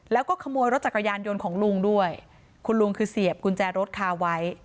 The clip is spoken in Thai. แล้วก็ขโมยรถจักรยานยนต์ของลุงด้วยคุณลุงคือเสียบกุญแจรถคาไว้